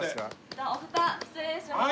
じゃあおフタ失礼します。